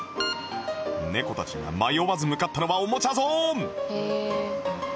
猫たちが迷わず向かったのはおもちゃゾーンへえ。